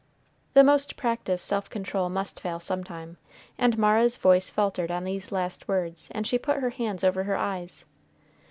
The most practiced self control must fail some time, and Mara's voice faltered on these last words, and she put her hands over her eyes.